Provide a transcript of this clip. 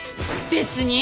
別に。